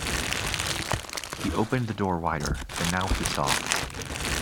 He opened the door wider, and now he saw.